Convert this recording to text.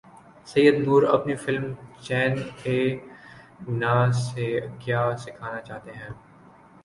سید نور اپنی فلم چین ائے نہ سے کیا سکھانا چاہتے ہیں